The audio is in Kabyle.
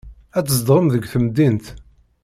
Ad tzedɣem deg temdint.